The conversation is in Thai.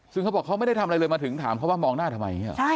ซึ่งเขาบอกเขาไม่ได้ทำอะไรเลยมาถึงถามเขาว่ามองหน้าทำไมอย่างนี้หรอ